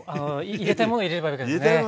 入れたいもの入れればいいんです。